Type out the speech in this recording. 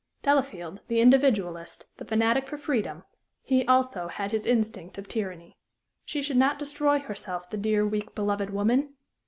Delafield, the individualist, the fanatic for freedom he, also, had his instinct of tyranny. She should not destroy herself, the dear, weak, beloved woman!